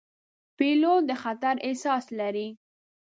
پیلوټ د خطر احساس لري.